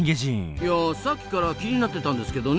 いやさっきから気になってたんですけどね